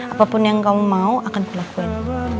apapun yang kamu mau akan aku lakuin